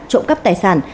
trộm cắp tài sản